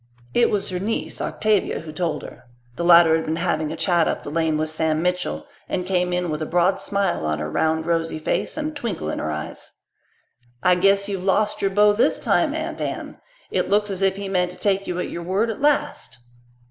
It was her niece, Octavia, who told her. The latter had been having a chat up the lane with Sam Mitchell, and came in with a broad smile on her round, rosy face and a twinkle in her eyes. "I guess you've lost your beau this time, Aunt Anne. It looks as if he meant to take you at your word at last."